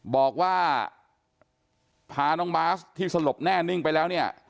บอกว่าพาน้องบาสที่สลบแน่นิ่งไปแล้วเนี่ย